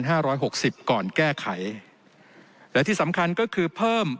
ร้อยหกสิบก่อนแก้ไขและที่สำคัญก็คือเพิ่ม